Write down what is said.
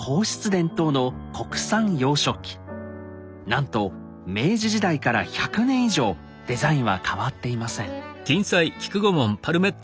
なんと明治時代から１００年以上デザインは変わっていません。